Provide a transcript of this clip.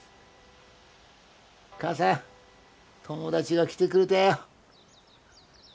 母さん友だちが来てくれたよ。